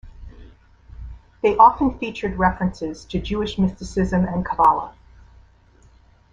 They often featured references to Jewish mysticism and kabbalah.